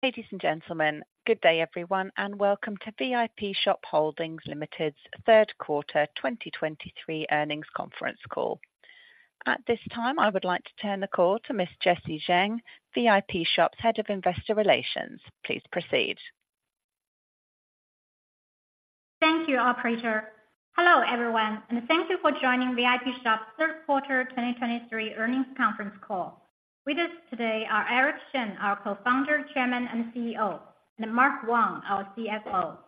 Ladies and gentlemen, good day, everyone, and welcome to Vipshop Holdings Limited's Third Quarter 2023 Earnings Conference Call. At this time, I would like to turn the call to Miss Jessie Zheng, Vipshop's Head of Investor Relations. Please proceed. Thank you, operator. Hello, everyone, and thank you for joining Vipshop's third quarter 2023 earnings conference call. With us today are Eric Shen, our Co-founder, Chairman, and CEO, and Mark Wang, our CFO.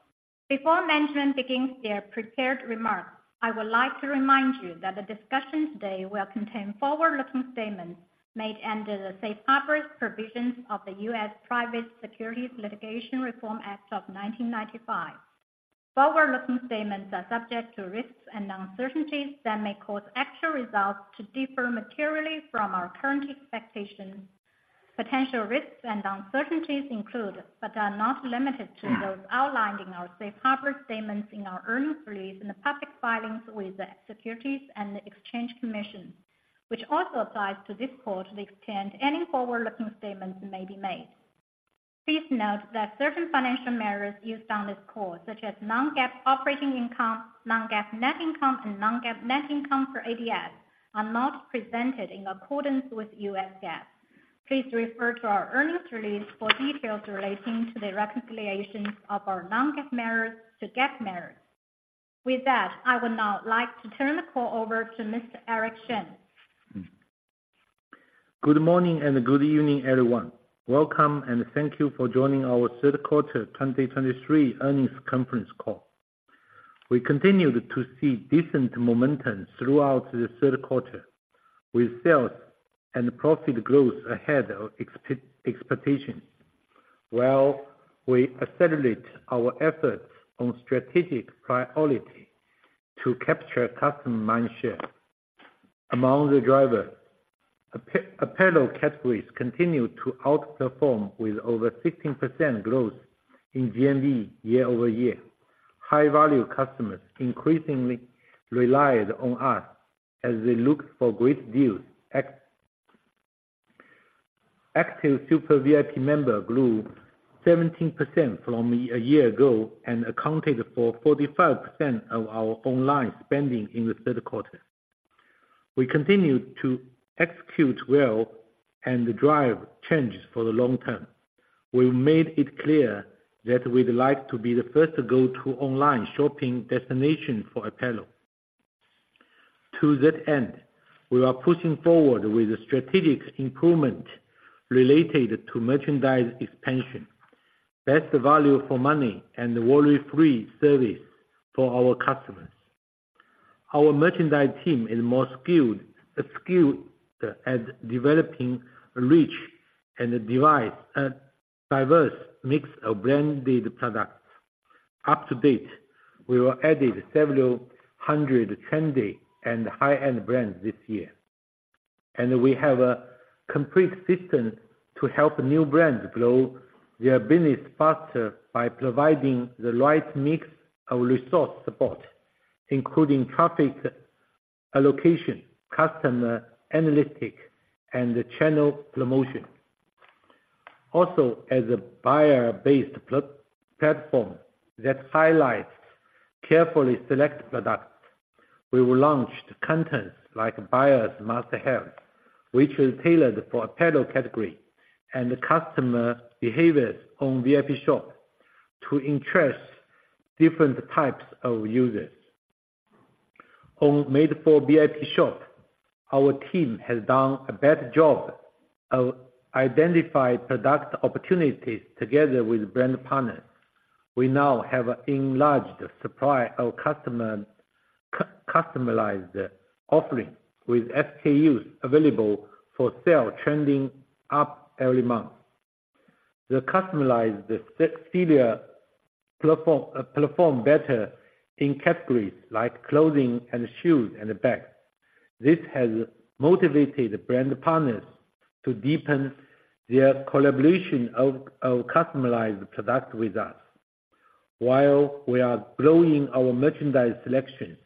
Before management begins their prepared remarks, I would like to remind you that the discussion today will contain forward-looking statements made under the safe harbor provisions of the U.S. Private Securities Litigation Reform Act of 1995. Forward-looking statements are subject to risks and uncertainties that may cause actual results to differ materially from our current expectations. Potential risks and uncertainties include, but are not limited to, those outlined in our safe harbor statements in our earnings release and the public filings with the Securities and Exchange Commission, which also applies to this call to the extent any forward-looking statements may be made. Please note that certain financial measures used on this call, such as non-GAAP operating income, non-GAAP net income, and non-GAAP net income for ADS, are not presented in accordance with U.S. GAAP. Please refer to our earnings release for details relating to the reconciliation of our non-GAAP measures to GAAP measures. With that, I would now like to turn the call over to Mr. Eric Shen. Good morning and good evening, everyone. Welcome, and thank you for joining our third quarter 2023 earnings conference call. We continued to see decent momentum throughout the third quarter, with sales and profit growth ahead of expectations, while we accelerate our efforts on strategic priority to capture customer mindshare. Among the driver, apparel categories continued to outperform with over 16% growth in GMV year-over-year. High-value customers increasingly relied on us as they looked for great deals. Active Super VIP member grew 17% from a year ago and accounted for 45% of our online spending in the third quarter. We continued to execute well and drive changes for the long term. We've made it clear that we'd like to be the first to go-to online shopping destination for apparel. To that end, we are pushing forward with a strategic improvement related to merchandise expansion, best value for money, and worry-free service for our customers. Our merchandise team is more skilled at developing a rich and diverse mix of branded products. To date, we have added several hundred trendy and high-end brands this year, and we have a complete system to help new brands grow their business faster by providing the right mix of resource support, including traffic allocation, customer analytics, and the channel promotion. Also, as a buyer-based platform that highlights carefully selected products, we will launch the contents like Buyers Must-Have, which is tailored for apparel category and customer behaviors on Vipshop to interest different types of users. On Made For Vipshop, our team has done a better job of identifying product opportunities together with brand partners. We now have enlarged the supply of customer customized offerings, with SKUs available for sale trending up every month. The customized offerings perform better in categories like clothing and shoes and bags. This has motivated brand partners to deepen their collaboration of customized products with us. While we are growing our merchandise selection,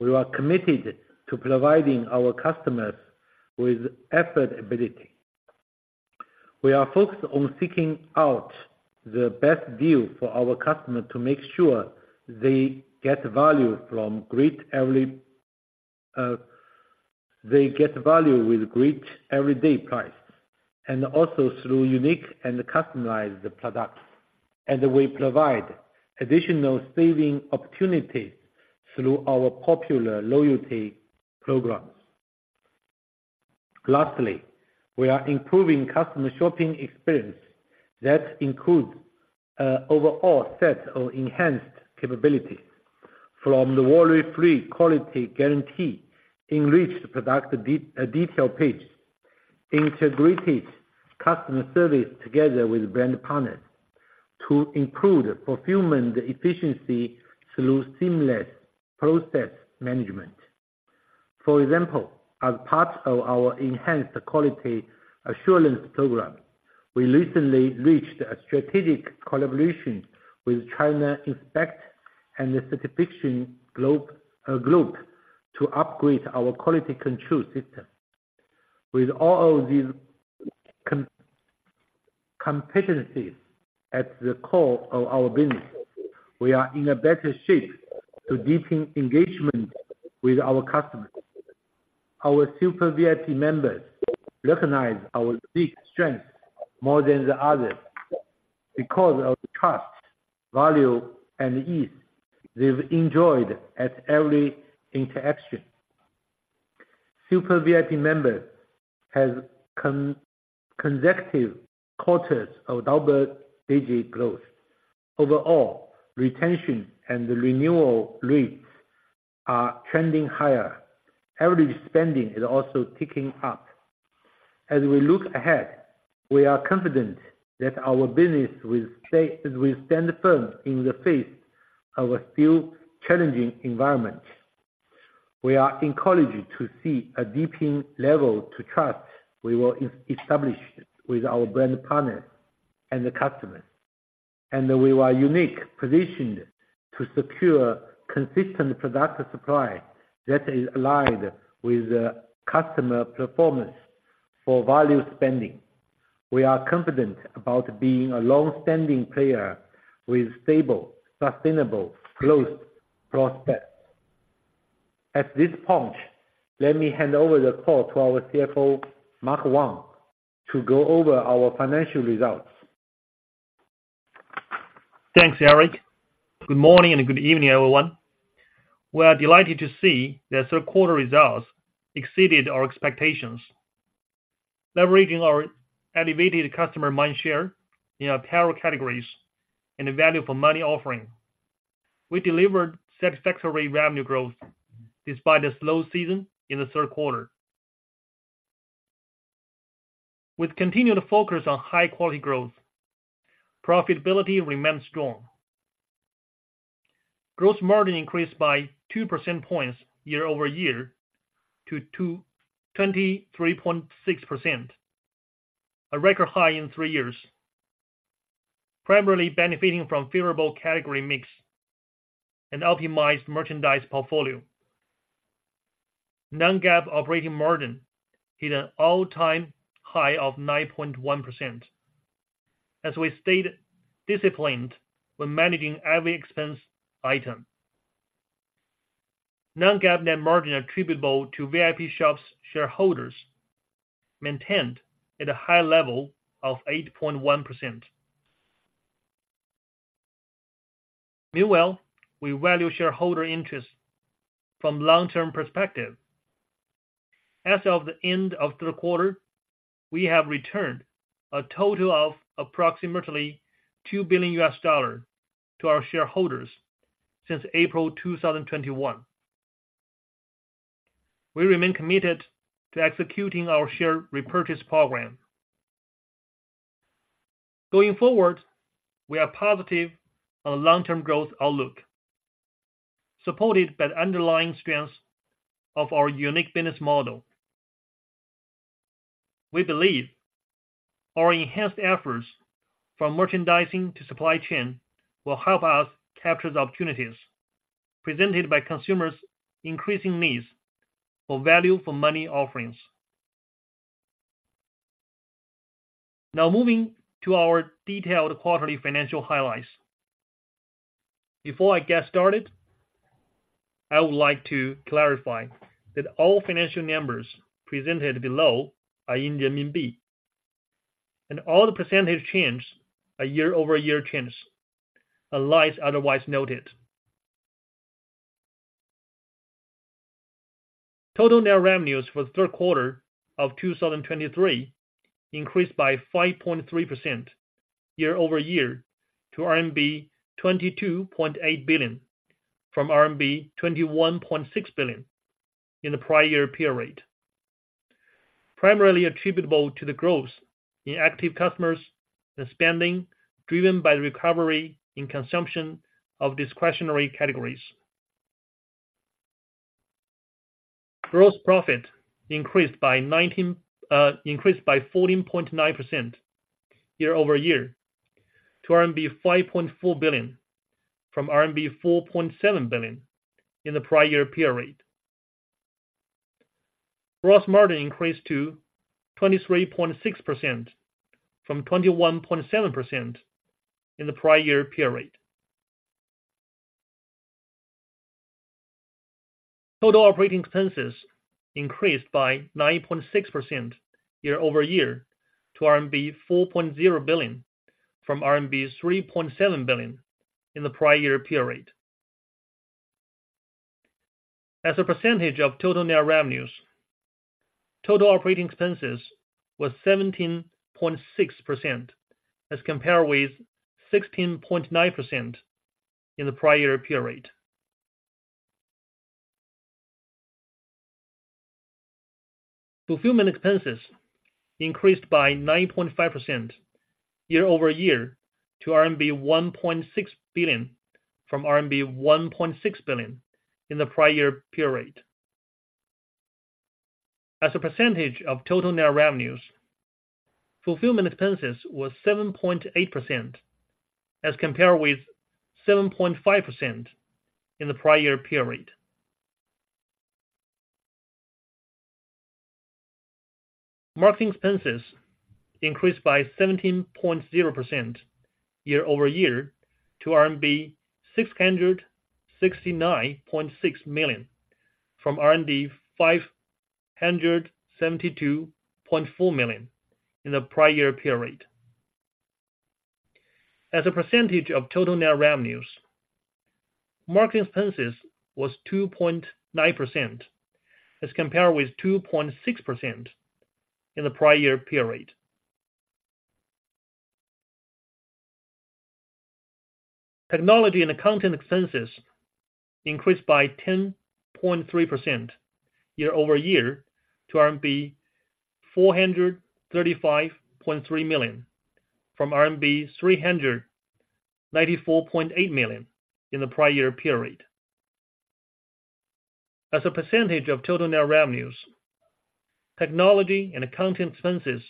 we are committed to providing our customers with affordability. We are focused on seeking out the best deal for our customers to make sure they get value with great everyday prices and also through unique and customized products. We provide additional savings opportunities through our popular loyalty programs. Lastly, we are improving customer shopping experience that include overall set of enhanced capabilities from the worry-free quality guarantee, enriched product detail page, integrated customer service together with brand partners to improve fulfillment efficiency through seamless process management. For example, as part of our enhanced quality assurance program, we recently reached a strategic collaboration with China Inspection and Certification Group to upgrade our quality control system. With all of these competencies at the core of our business, we are in a better shape to deepen engagement with our customers. Our Super VIP members recognize our unique strength more than the others because of the trust, value, and ease they've enjoyed at every interaction. Super VIP members has consecutive quarters of double-digit growth. Overall, retention and the renewal rates are trending higher. Average spending is also ticking up. As we look ahead, we are confident that our business will stay, will stand firm in the face of a still challenging environment. We are encouraged to see a deepening level of trust we will establish with our brand partners and the customers, and we are uniquely positioned to secure consistent product supply that is aligned with the customers' preference for value spending. We are confident about being a long-standing player with stable, sustainable growth prospects. At this point, let me hand over the call to our CFO, Mark Wang, to go over our financial results. Thanks, Eric. Good morning and good evening, everyone. We are delighted to see that third quarter results exceeded our expectations. Leveraging our elevated customer mindshare in apparel categories and the value for money offering, we delivered satisfactory revenue growth despite a slow season in the third quarter. With continued focus on high-quality growth, profitability remained strong. Gross margin increased by two percentage points year-over-year to 23.6%, a record high in three years, primarily benefiting from favorable category mix and optimized merchandise portfolio. Non-GAAP operating margin hit an all-time high of 9.1%, as we stayed disciplined when managing every expense item. Non-GAAP net margin attributable to Vipshop's shareholders maintained at a high level of 8.1%. Meanwhile, we value shareholder interest from long-term perspective. As of the end of third quarter, we have returned a total of approximately $2 billion to our shareholders since April 2021. We remain committed to executing our share repurchase program. Going forward, we are positive on the long-term growth outlook, supported by the underlying strengths of our unique business model. We believe our enhanced efforts from merchandising to supply chain will help us capture the opportunities presented by consumers' increasing needs for value, for money offerings. Now, moving to our detailed quarterly financial highlights. Before I get started, I would like to clarify that all financial numbers presented below are in the renminbi, and all the percentage change are year-over-year change, unless otherwise noted. Total net revenues for the third quarter of 2023 increased by 5.3% year-over-year to RMB 22.8 billion, from RMB 21.6 billion in the prior year period. Primarily attributable to the growth in active customers and spending, driven by the recovery in consumption of discretionary categories. Gross profit increased by 14.9% year-over-year to RMB 5.4 billion, from RMB 4.7 billion in the prior year period. Gross margin increased to 23.6% from 21.7% in the prior year period. Total operating expenses increased by 9.6% year-over-year to RMB 4.0 billion, from RMB 3.7 billion in the prior year period. As a percentage of total net revenues, total operating expenses was 17.6% as compared with 16.9% in the prior year period. Fulfillment expenses increased by 9.5% year-over-year to RMB 1.6 billion, from RMB 1.6 billion in the prior year period. As a percentage of total net revenues, fulfillment expenses was 7.8%, as compared with 7.5% in the prior period. Marketing expenses increased by 17.0% year-over-year to RMB 669.6 million, from 572.4 million in the prior period. As a percentage of total net revenues, marketing expenses was 2.9%, as compared with 2.6% in the prior period. Technology and accounting expenses increased by 10.3% year-over-year to RMB 435.3 million, from RMB 394.8 million in the prior period. As a percentage of total net revenues, technology and accounting expenses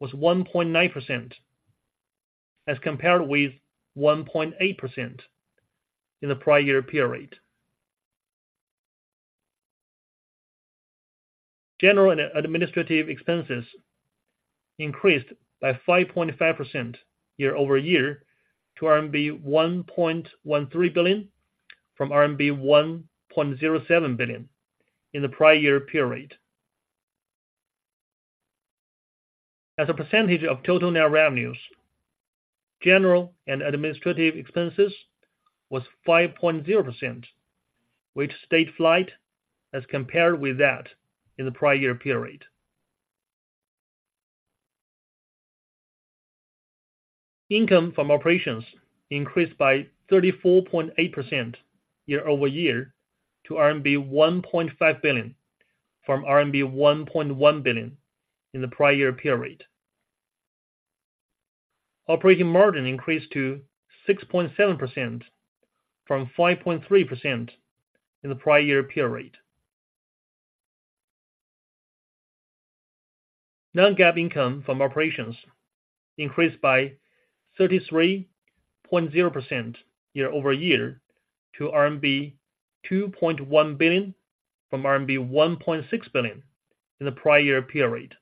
was 1.9%, as compared with 1.8% in the prior period. General and administrative expenses increased by 5.5% year-over-year to RMB 1.13 billion, from RMB 1.07 billion in the prior period. As a percentage of total net revenues, general and administrative expenses was 5.0%, which stayed flat as compared with that in the prior period. Income from operations increased by 34.8% year-over-year to RMB 1.5 billion, from RMB 1.1 billion in the prior period. Operating margin increased to 6.7% from 5.3% in the prior period. Non-GAAP income from operations increased by 33.0% year-over-year to RMB 2.1 billion, from RMB 1.6 billion in the prior period.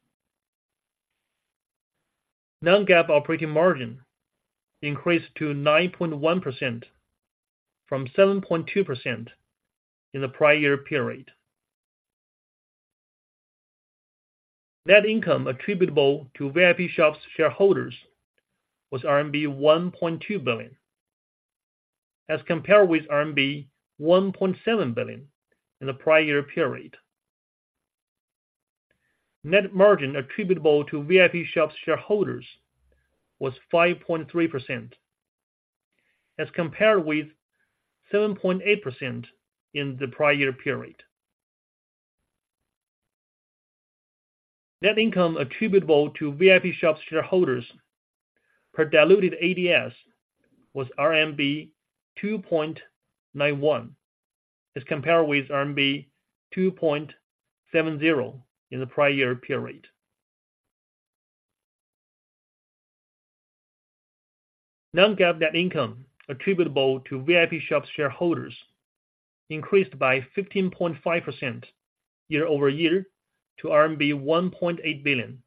Non-GAAP operating margin increased to 9.1% from 7.2% in the prior period. Net income attributable to Vipshop's shareholders was RMB 1.2 billion, as compared with RMB 1.7 billion in the prior period. Net margin attributable to Vipshop's shareholders was 5.3%, as compared with 7.8% in the prior period. Net income attributable to Vipshop's shareholders per diluted ADS was RMB 2.91, as compared with RMB 2.70 in the prior period. Non-GAAP net income attributable to Vipshop's shareholders increased by 15.5% year-over-year to RMB 1.8 billion,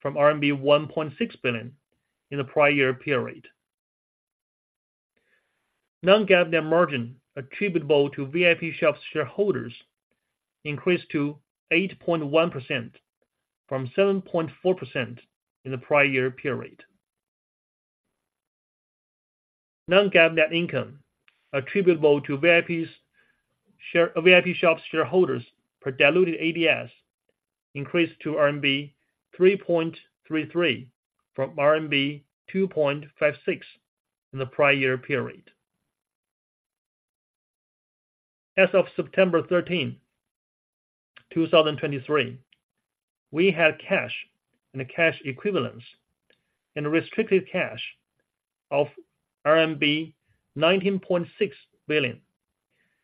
from RMB 1.6 billion in the prior period. Non-GAAP net margin attributable to Vipshop's shareholders increased to 8.1% from 7.4% in the prior period. Non-GAAP net income attributable to Vipshop's shareholders per diluted ADS increased to RMB 3.33 from RMB 2.56 in the prior period. As of September 13, 2023, we had cash and cash equivalents and restricted cash of RMB 19.6 billion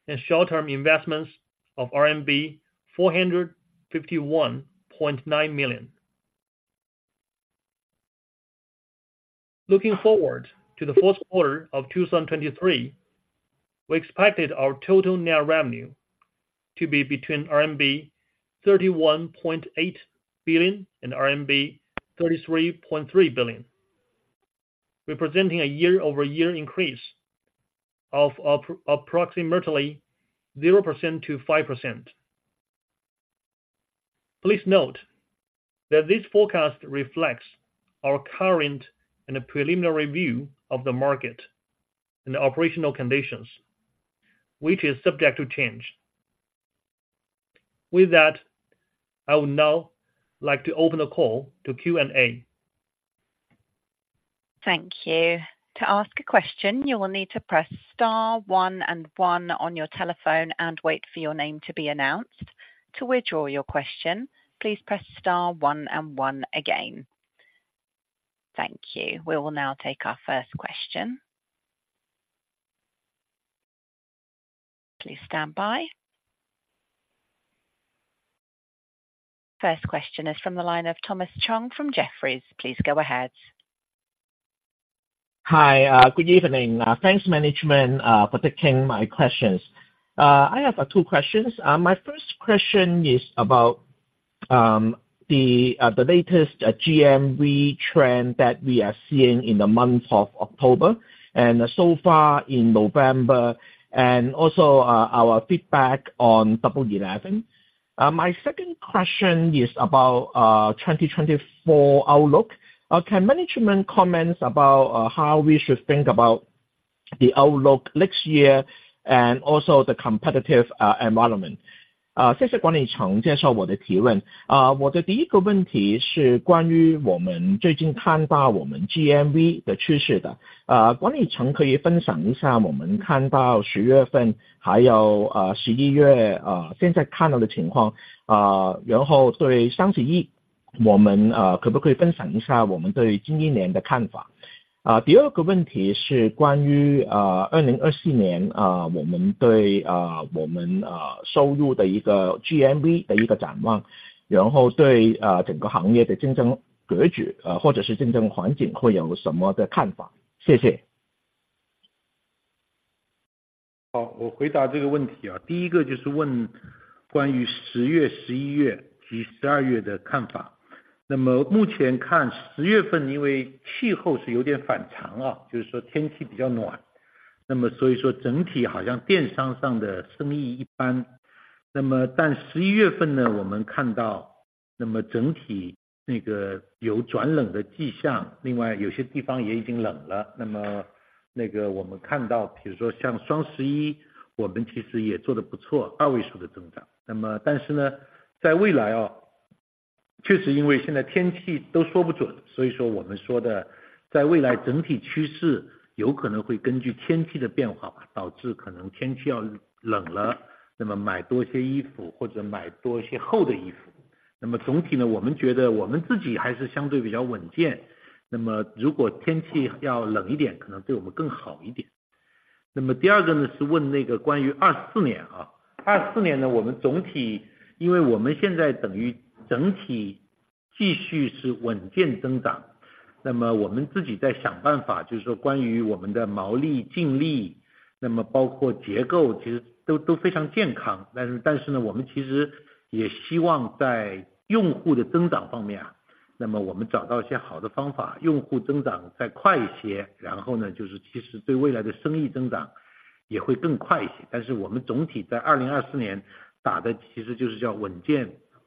and short-term investments of RMB 451.9 million. Looking forward to the fourth quarter of 2023, we expected our total net revenue to be between RMB 31.8 billion and RMB 33.3 billion, representing a year-over-year increase of approximately 0%-5%. Please note that this forecast reflects our current and preliminary view of the market and operational conditions, which is subject to change. With that, I would now like to open the call to Q&A. Thank you. To ask a question, you will need to press star one and one on your telephone and wait for your name to be announced. To withdraw your question, please press star one and one again. Thank you. We will now take our first question. Please stand by. First question is from the line of Thomas Chong from Jefferies. Please go ahead. Hi, good evening. Thanks, management, for taking my questions. I have two questions. My first question is about the latest GMV trend that we are seeing in the month of October, and so far in November, and also our feedback on Double Eleven. My second question is about 2024 outlook. Can management comment about how we should think about the outlook next year and also the competitive environment? 谢谢管理层介绍我的提问。我的第一个问题是关于我们最近看到我们GMV的趋势的。管理层可以分享一下我们看到10月份还有，11月，现在看到的情况，然后对双十一我们，可以分享一下我们对新一年的看法？第二个问题是关于，2024年，我们对，我们，收入的一个GMV的一个展望，然后对，整个行业的竞争格局，或者是竞争环境会有什么看法？谢谢。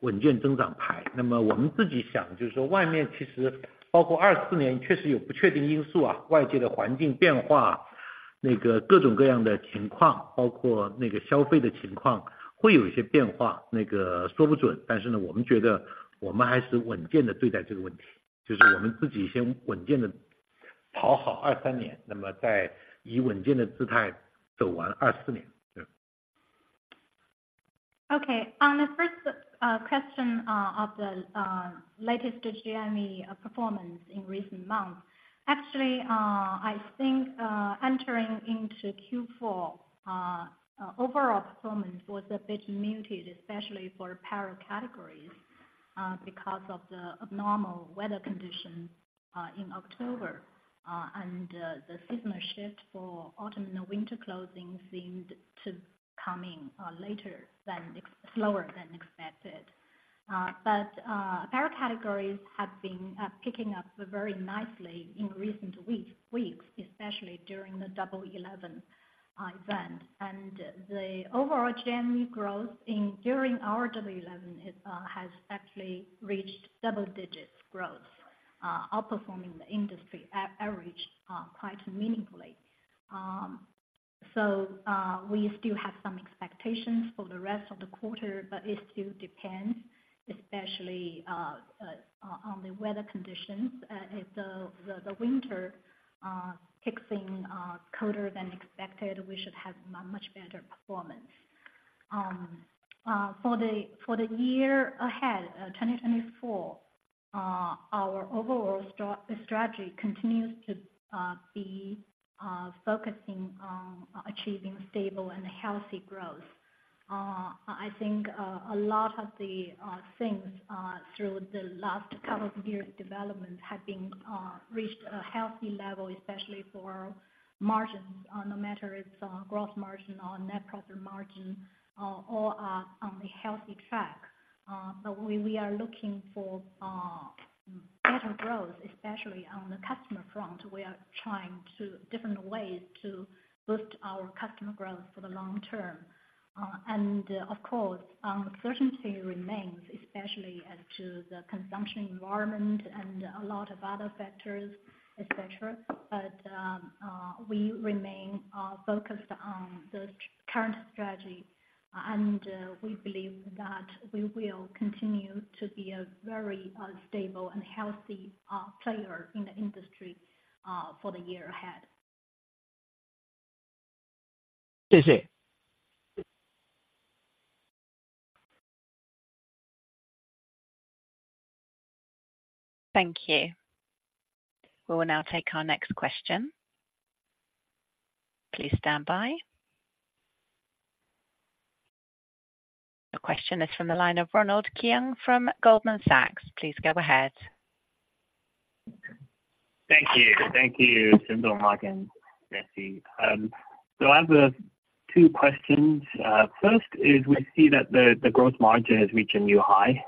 Okay. On the first question of the latest GMV performance in recent months. Actually, I think, entering into Q4, overall performance was a bit muted, especially for apparel categories, because of the abnormal weather conditions in October. And the seasonal shift for autumn and winter clothing seemed to coming slower than expected. But apparel categories have been picking up very nicely in recent weeks, especially during the Double Eleven event. And the overall GMV growth during our Double Eleven has actually reached double digits growth, outperforming the industry average quite meaningfully. So, we still have some expectations for the rest of the quarter, but it still depends, especially, on the weather conditions. If the winter kicks in colder than expected, we should have a much better performance. For the year ahead, 2024, our overall strategy continues to be focusing on achieving stable and healthy growth. I think a lot of the things through the last couple of years development have been reached a healthy level, especially for margins. No matter it's gross margin or net profit margin, all are on a healthy track. But we are looking for better growth, especially on the customer front. We are trying different ways to boost our customer growth for the long term. Of course, uncertainty remains, especially as to the consumption environment and a lot of other factors, et cetera. We remain focused on the current strategy, and we believe that we will continue to be a very stable and healthy player in the industry for the year ahead. 谢谢。Thank you. We will now take our next question. Please stand by. The question is from the line of Ronald Keung from Goldman Sachs. Please go ahead. Thank you. Thank you, Eric, Mark, and Jessie. So I have two questions. First is we see that the growth margin has reached a new high.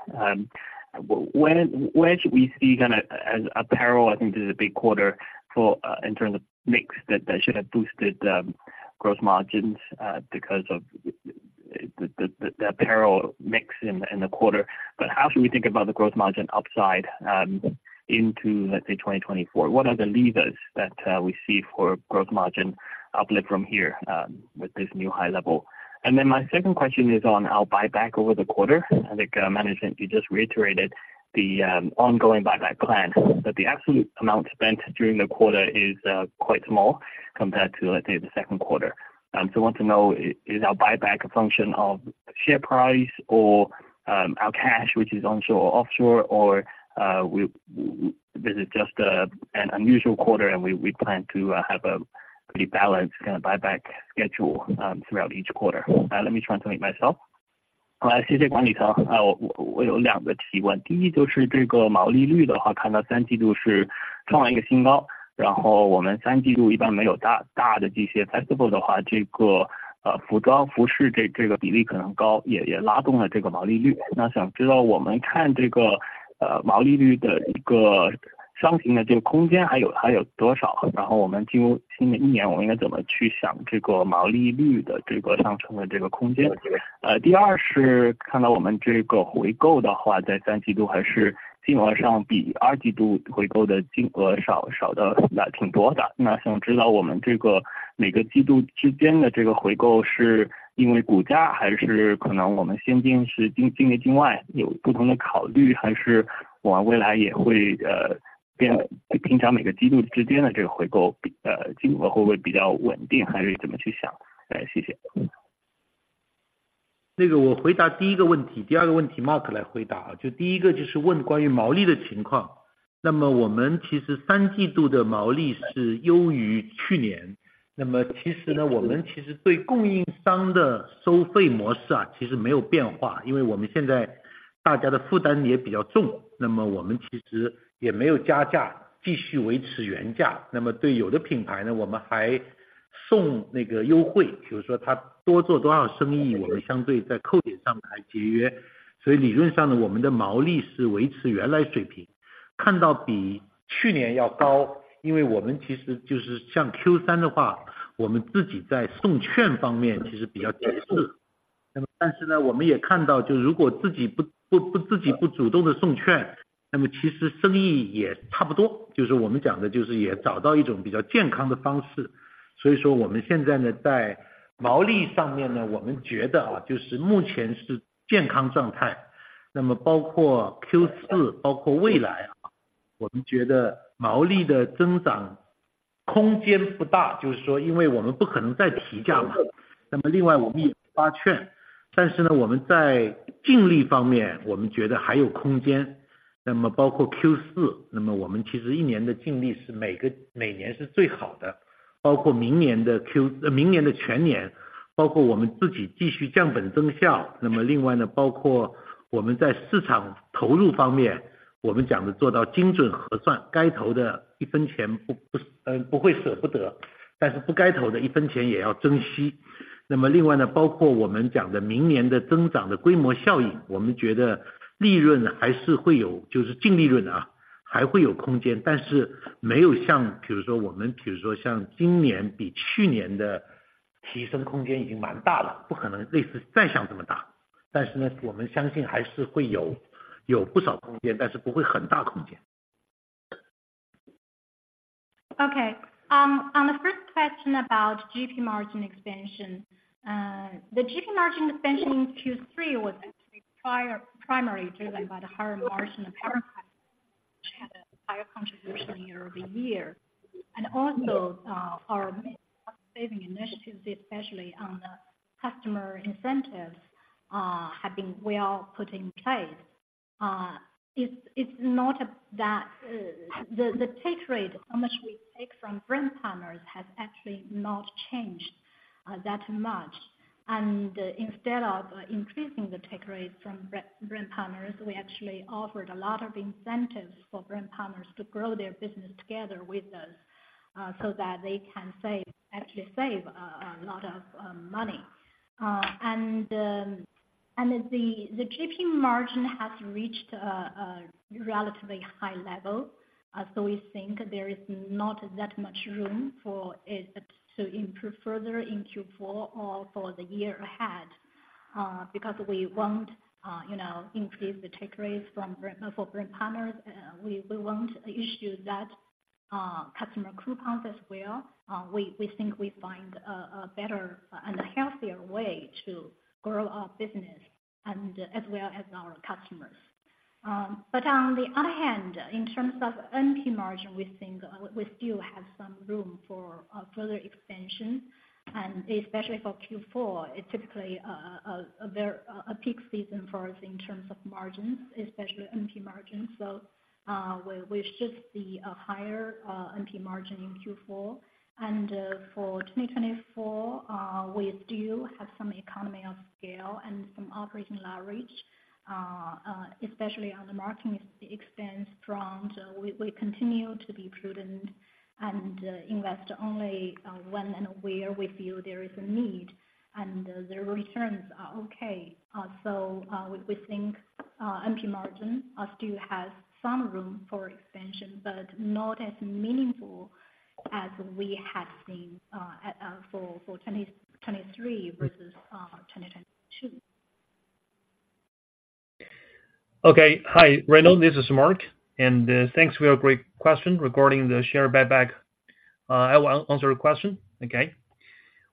Where should we see kind of as apparel, I think, is a big quarter for in terms of mix, that that should have boosted gross margins because of the apparel mix in the quarter. But how should we think about the growth margin upside into, let's say, 2024? What are the levers that we see for growth margin uplift from here with this new high level? And then my second question is on our buyback over the quarter. I think, management, you just reiterated the ongoing buyback plan, but the absolute amount spent during the quarter is quite small compared to, let's say, the second quarter. So I want to know, is our buyback a function of share price or our cash, which is onshore or offshore, or this is just an unusual quarter and we plan to have a pretty balanced kind of buyback schedule throughout each quarter? Let me translate myself. 那个我回答第一个问题，第二个问题，Mark来回答。就是第一个就是问关于毛利的情况，那么我们其实三季度的毛利是优于去年，那么其实呢，我们其实对供应商的收费模式啊，其实没有变化，因为我们现在大家的负担也比较重，那么我们其实也没有加价，继续维持原价。那么对有的品牌呢，我们还送那个优惠，比如说他多做多生意，我们相对在扣点上还节约。所以理论上呢，我们的毛利是维持原来水平，看到比去年要高，因为我们其实就是像Q3的话，我们自己在送券方面其实比较谨慎。那么但是呢，我们也看到，就是如果自己不主动地送券，那么其实生意也差不多。就是我们讲的就是也找到一种比较健康的方式。所以说我们现在呢，在毛利上面呢，我们觉得啊，就是目前是健康状态，那么包括Q4，包括未来啊，我们觉得毛利的增长空间不大，就是说因为我们不可能再提价了，那么另外我们也发券，但是呢，我们在净利方面，我们觉得还有空间。那么包括Q4，那么我们其实一年的净利是每个每年是最好的，包括明年的Q，明年的全年，包括我们自己继续降本增效。那么另外呢，包括我们讲的明年的增长的规模效应，我们觉得利润还是会有，就是净利润啊，还是会有空间，但是没有像比如说我们，比如说像今年比去年的提升空间已经蛮大了，不可能类似再降这么大。但是呢，我们相信还是会有，有不少空间，但是不会很大空间。Okay. On the first question about GP margin expansion. The GP margin expansion in Q3 was actually primarily driven by the higher margin apparel, which had a higher contribution year-over-year. And also, our cost saving initiatives, especially on the customer incentives, have been well put in place. It's not that the take rate, how much we take from brand partners, has actually not changed that much. And instead of increasing the take rate from brand partners, we actually offered a lot of incentives for brand partners to grow their business together with us, so that they can save, actually save a lot of money. The GP margin has reached a relatively high level, so we think there is not that much room for it to improve further in Q4 or for the year ahead, because we won't, you know, increase the take rates from for brand partners. We won't issue that customer coupons as well. We think we find a better and healthier way to grow our business and as well as our customers. But on the other hand, in terms of NP margin, we think we still have some room for further expansion, and especially for Q4, it's typically a peak season for us in terms of margins, especially NP margins. So, we should see a higher NP margin in Q4. And for 2024, we still have some economy of scale and some operating leverage, especially on the marketing expense front. We continue to be prudent and invest only when and where we feel there is a need and the returns are okay. So, we think NP margin still has some room for expansion, but not as meaningful as we have seen for 2023 versus 2022. Okay, Hi, Ronald, this is Mark, and thanks for your great question regarding the share buyback. I will answer your question, okay?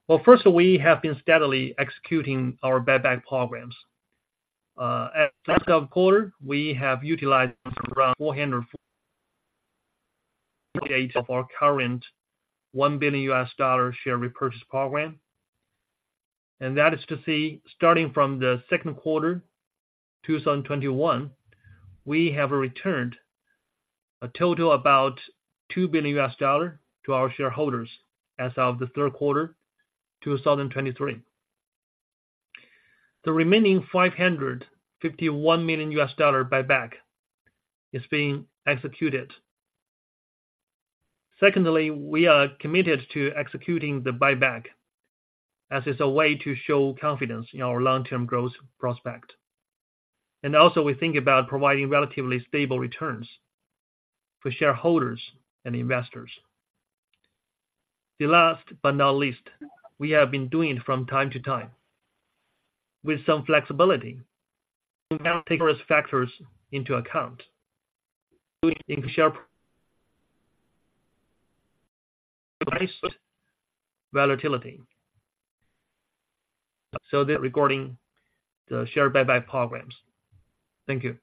Well, first off we have been steadily executing our buyback programs. At last quarter, we have utilized around 404 million of our current $1 billion share repurchase program, and that is to see, starting from the second quarter 2021, we have returned a total about $2 billion to our shareholders as of the third quarter 2023. The remaining $551 million buyback is being executed. Secondly, we are committed to executing the buyback as it's a way to show confidence in our long-term growth prospect. Also we think about providing relatively stable returns for shareholders and investors. Last but not least, we have been doing from time to time with some flexibility to take risk factors into account, we think sharp volatility. So that regarding the share buyback programs. Thank you.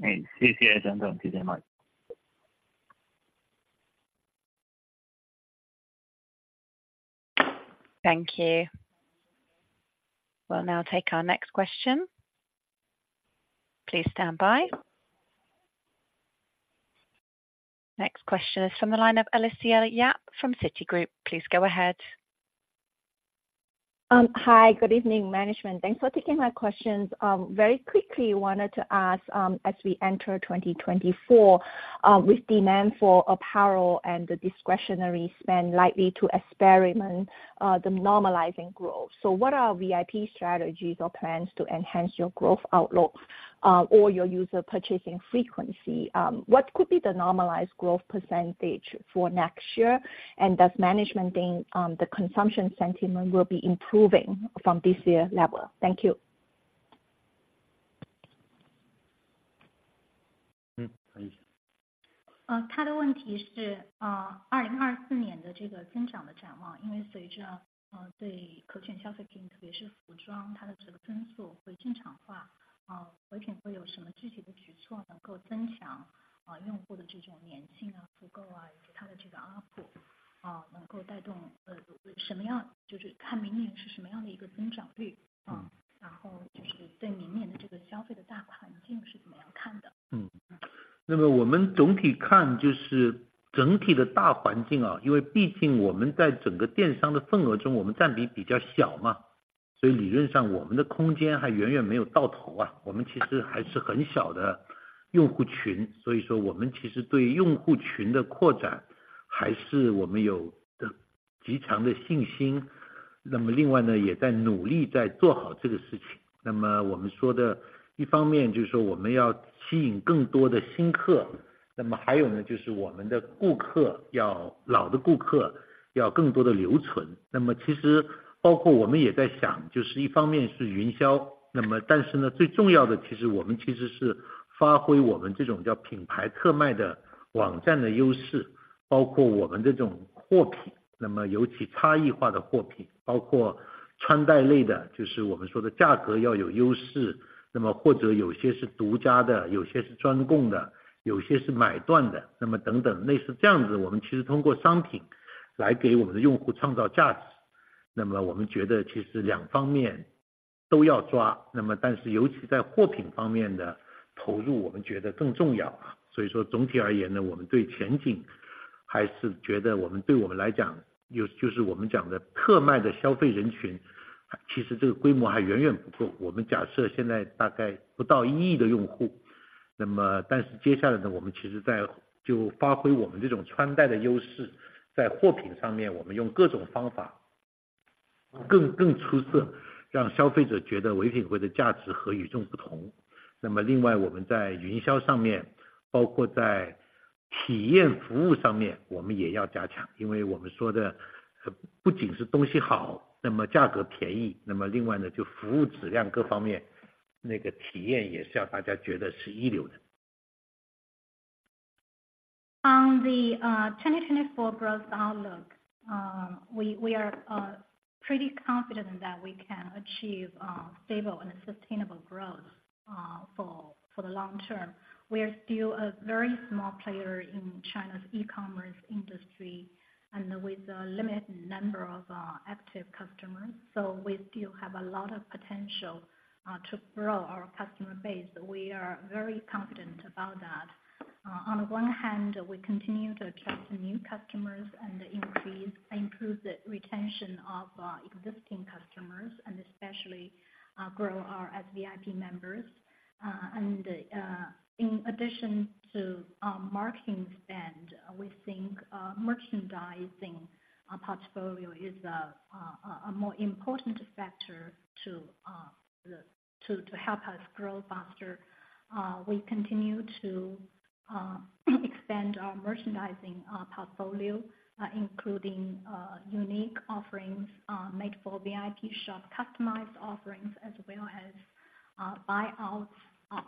Thank you. Thank you very much. Thank you. We'll now take our next question. Please stand by. Next question is from the line of Alicia Yap from Citigroup. Please go ahead. Hi, Good evening management. Thanks for taking my questions. Very quickly wanted to ask, as we enter 2024, with demand for apparel and the discretionary spend likely to experience the normalizing growth, so what are VIP strategies or plans to enhance your growth outlook, or your user purchasing frequency? What could be the normalized growth percentage for next year? Does management think the consumption sentiment will be improving from this year level? Thank you. 嗯，可以。她的问题是，2024年的这个增长的展望，因为随着，对可选消费品，特别是服装，它的这个增速回正常化，唯品会有什么具体的举措能够增强用户的这种粘性，复购，以及它的这个ARPU，能够带动怎么样，就是看明年是什么样的一个增长率。然后就是对明年的这个消费的大环境是怎么样的看的。那么我们总体看，就是整体的大环境啊，因为毕竟我们在整个电商的份额中，我们占比比较小嘛，所以理论上我们的空间还远远没有到头啊，我们其实还是很小的用户群，所以说我们其实对用户群的扩展还是我们有的极强的信心。那么另外呢，也在努力在做好这件事情。那么我们说的一方面就是说我们要吸引更多的客，那么还有呢，就是我们的顾客，要老的顾客要更多的留存。那么其实包括我们也在想，就是一方面是营销，那么但是呢，最重要的其实我们其实是发挥我们这种叫品牌特卖的网站的优势，包括我们这种货品，那么尤其是差异化的货品，包括穿戴类的，就是我们说的价格要有优势，那么或者有些是独家的，有些是专供的，有些是买断的，那么等等，类似这样子，我们其实通过商品来给我们的用户创造价值。那么我们觉得其实两方面都要抓，那么但是尤其在货品方面的投入，我们觉得更重要。所以说总体而言呢，我们对前景还是觉得，我们对我们来讲，就，就是我们讲的特卖的消费人群，其实这个规模还远远不够。我们假设现在大概不到一亿的用户，那么但是接下来呢，我们其实在就发挥我们这种穿戴的优势，在货品上面，我们用各种方法更，更出色，让消费者觉得唯品会的价值和与众不同。那么另外我们在营销上面，包括在体验服务上面，我们也要加强，因为我们说的不仅是东西好，那么价格便宜，那么另外呢，就服务质量各方面，那个体验也是要大家觉得是一流的。On the 2024 growth outlook, we are pretty confident that we can achieve stable and sustainable growth for the long term. We are still a very small player in China's e-commerce industry and with a limited number of active customers, so we still have a lot of potential to grow our customer base. We are very confident about that. On one hand, we continue to attract new customers and increase and improve the retention of existing customers, and especially grow our VIP members. And in addition to marketing spend, we think merchandising portfolio is a more important factor to help us grow faster. We continue to expand our merchandising portfolio, including unique offerings, Made for Vipshop, customized offerings, as well as buyout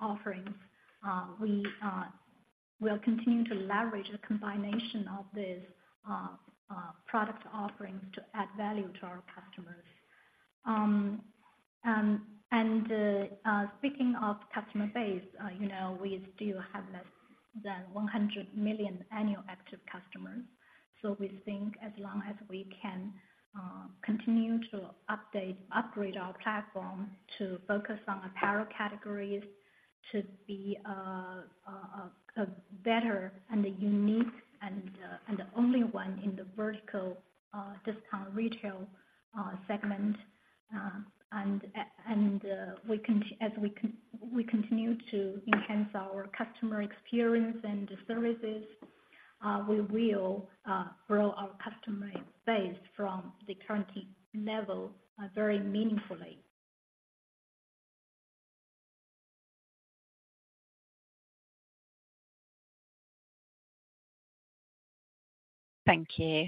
offerings. We will continue to leverage the combination of these product offerings to add value to our customers. And speaking of customer base, you know, we still have less than 100 million annual active customers, so we think as long as we can continue to upgrade our platform to focus on apparel categories, to be a better and unique and the only one in the vertical discount retail segment. As we continue to enhance our customer experience and services, we will grow our customer base from the current level very meaningfully. Thank you.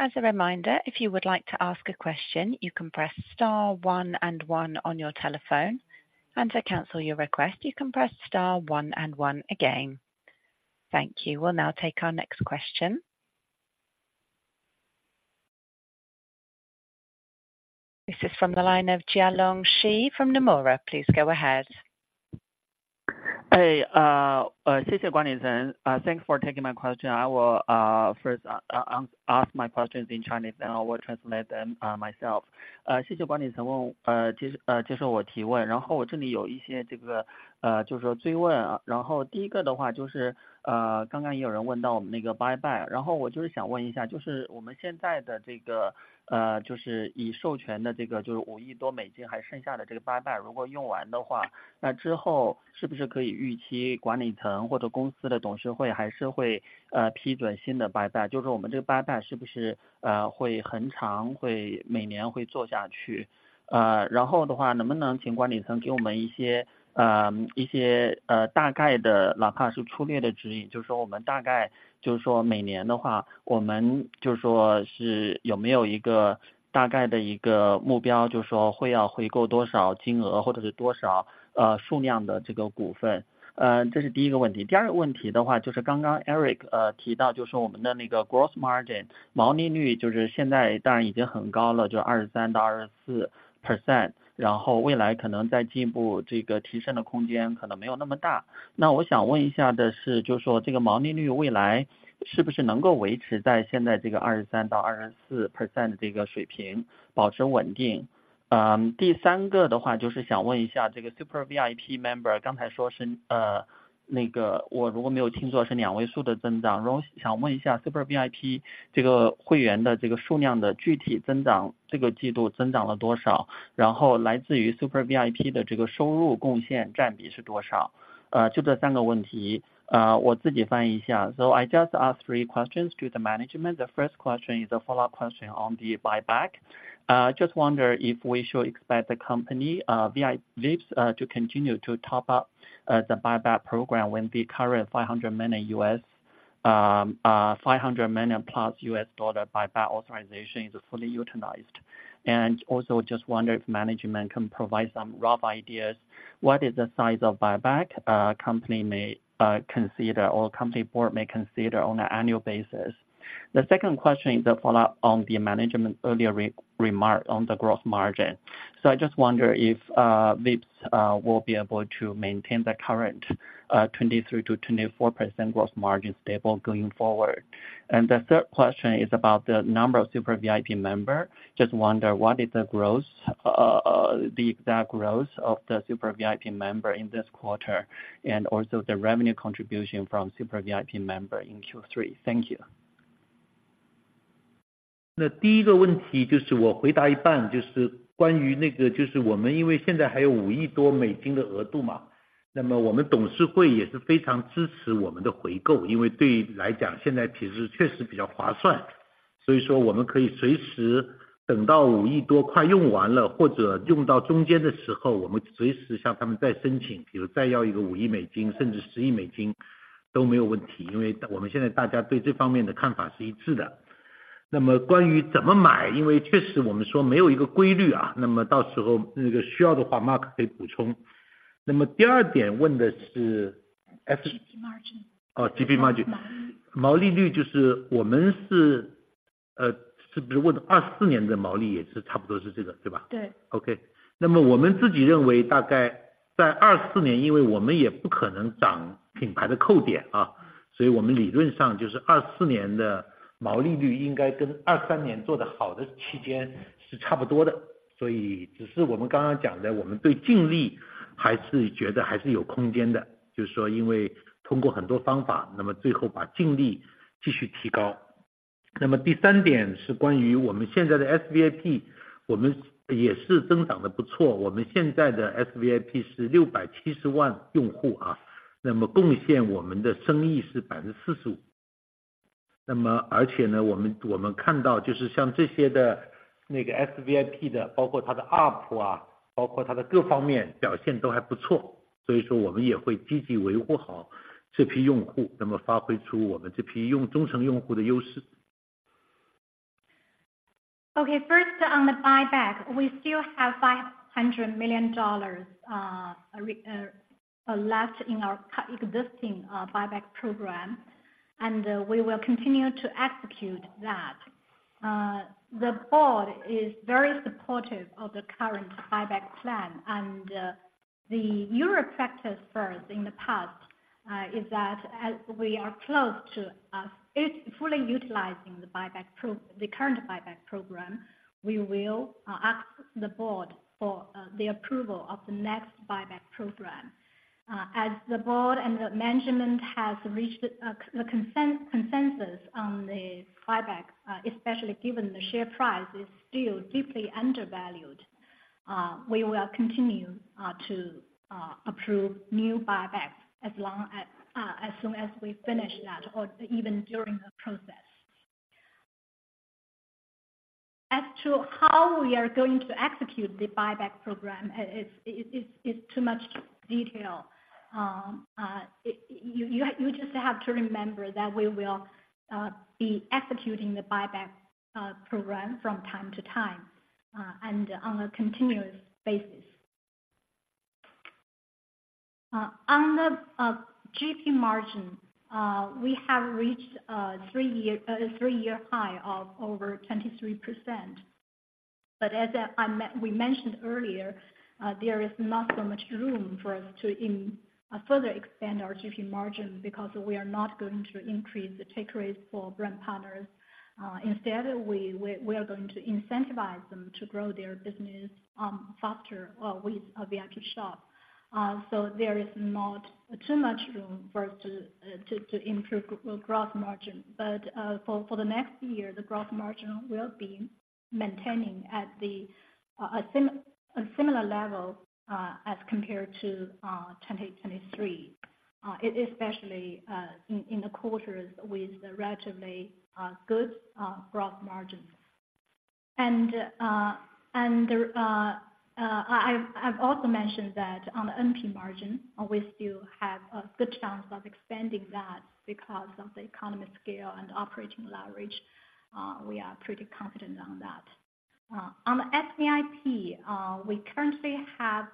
As a reminder, if you would like to ask a question, you can press star one and one on your telephone, and to cancel your request, you can press star one and one again. Thank you. We'll now take our next question. This is from the line of Jialong Shi from Nomura. Please go ahead. Hey, 谢谢管理层, thanks for taking my question. I will first ask my questions in Chinese, then I will translate them myself. 谢谢管理层，接受我的提问，然后我这里有一些，这个就是说追问啊，然后第一个的话就是，刚刚也有 人问到我们那个buyback，然后我就是想问一下，就是我们现在的这个，就是授权的这个就是$500 margins毛利率就是现在当然已经很高了，就23%-24%，然后未来可能再进一步，这个提升的空间可能没有那么大。那我想问一下的是，就是说这个毛利率未来是不是能够维持在现在这个23%-24%的这个水平，保持稳定。嗯，第三个的话，就是想问一下，这个Super VIP member刚才说 是，那个如果没有听错，是两位数的增长，然后想问一下Super VIP这个会员的这个数量的具体增长，这个季度增长了多少？然后来自于Super VIP的这个收入贡献占比是多少？就这三个问题，我自己翻译一下。So I just ask three questions to the management. The first question is a follow-up question on the buyback. Just wonder if we should expect the company, Vipshop, to continue to top up the buyback program when the current $500 million plus USD buyback authorization is fully utilized. And also just wonder if management can provide some rough ideas, what is the size of buyback company may consider or company board may consider on an annual basis? The second question is a follow-up on the management earlier remark on the growth margin. So I just wonder if, VIPs, will be able to maintain the current, 23%-24% growth margin stable going forward. And the third question is about the number of Super VIP member. Just wonder what is the growth, the exact growth of the Super VIP member in this quarter, and also the revenue contribution from Super VIP member in Q3. Thank you. 那么第一个问题就是我回答一半，就是关于那个，就是我们因为现在还有$500 million多的额度嘛，那么我们董事会也是非常支持我们的回购，因为对于来讲，现在其实确实比较划算，所以说我们可以随时等到$500 million多快用完了，或者用到中间的时候，我们随时向他们再申请，比如再要一个$500 million，甚至$1 billion都没有问题，因为我们现在大家对这方面的看法是一致的。... 那么关于怎么买，因为确实我们说没有一个规律啊，那么到时候那个需要的话，Mark可以补充。那么第二点问的是F- GP margin。哦，GP margin。毛利率就是我们是，比如问2024年的毛利也是差不多是这个，对吧？ 对 OK，那么我们自己认为大概在2024年，因为我们也不可能涨品牌扣点啊，所以我们理论上就是2024年的毛利率，应该跟2023年做得好的期间是差不多的。所以只是我们刚刚讲的，我们对净利还是觉得还是有空间的，就是说因为通过很多方法，那么最后把净利继续提高。那么第三点是关于我们现在的SVIP，我们也是增长的不错，我们现在的SVIP是670万用户啊，那么贡献我们的生意是45%。那么而且呢我们，我们看到就是像这些的，那个SVIP的，包括它的UP啊，包括它的各方面表现都还不错，所以说我们也会积极维护好这批用户，那么发挥出我们这批用忠诚用户的优势。Okay, first on the buyback, we still have $500 million left in our existing buyback program, and we will continue to execute that. The board is very supportive of the current buyback plan, and, the usual practice first in the past, is that as we are close to, it fully utilizing the current buyback program, we will, ask the board for, the approval of the next buyback program. As the board and the management has reached, the consensus on the buyback, especially given the share price is still deeply undervalued, we will continue, to, approve new buyback as long as, as soon as we finish that or even during the process. As to how we are going to execute the buyback program, it's too much detail. You just have to remember that we will be executing the buyback program from time to time and on a continuous basis. On the GP margin, we have reached three-year high of over 23%. But as we mentioned earlier, there is not so much room for us to further expand our GP margin because we are not going to increase the take rate for brand partners. Instead, we are going to incentivize them to grow their business faster with Vipshop. So there is not too much room for us to improve growth margin. But for the next year, the growth margin will be maintaining at a similar level as compared to 2023. Especially in the quarters with relatively good gross margins. And there, I've also mentioned that on the NP margin, we still have a good chance of expanding that because of the economy scale and operating leverage. We are pretty confident on that. On the SVIP, we currently have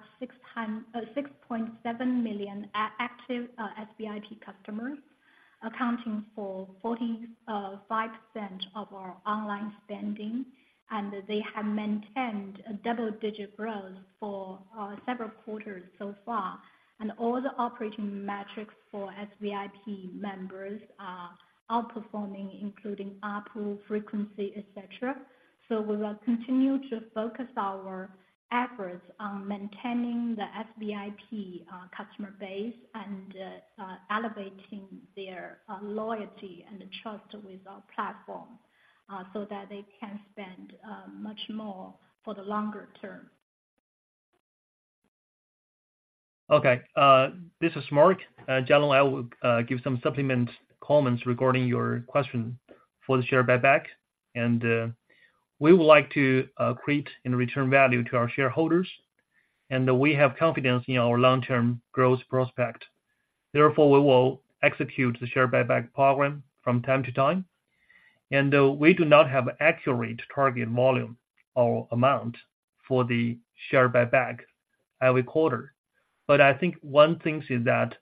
6.7 million active SVIP customers, accounting for 45% of our online spending, and they have maintained a double-digit growth for several quarters so far. And all the operating metrics for SVIP members are outperforming, including ARPU, frequency, et cetera. So we will continue to focus our efforts on maintaining the SVIP customer base and elevating their loyalty and trust with our platform so that they can spend much more for the longer term. Okay, this is Mark. Jialong, I will give some supplement comments regarding your question for the share buyback, and we would like to create and return value to our shareholders, and we have confidence in our long-term growth prospect. Therefore, we will execute the share buyback program from time to time, and we do not have accurate target volume or amount for the share buyback every quarter. But I think one thing is that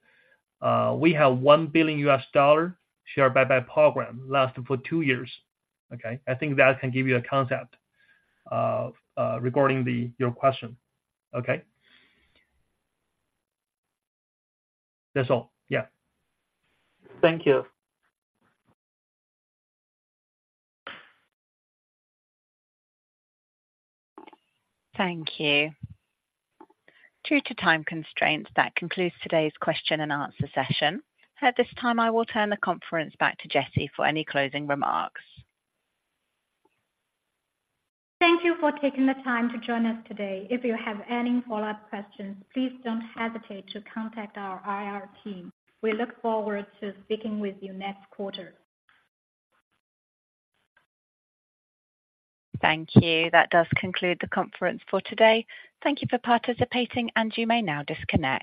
we have $1 billion share buyback program lasting for 2 years. Okay? I think that can give you a concept regarding your question. Okay? That's all. Yeah. Thank you. Thank you. Due to time constraints, that concludes today's question and answer session. At this time, I will turn the conference back to Jessie for any closing remarks. Thank you for taking the time to join us today. If you have any follow-up questions, please don't hesitate to contact our IR team. We look forward to speaking with you next quarter. Thank you. That does conclude the conference for today. Thank you for participating, and you may now disconnect.